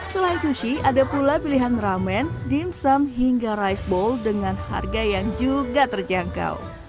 selain sushi ada pula pilihan ramen dimsum hingga rice ball dengan harga yang juga terjangkau